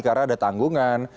karena ada tanggungan